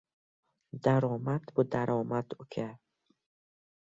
• Daromad va buromad — aka-uka.